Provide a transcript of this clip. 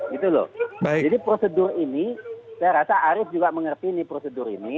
jadi prosedur ini saya rasa arief juga mengerti prosedur ini